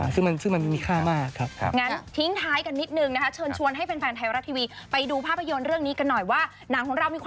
ซึ่งมันมีค่ามากครับ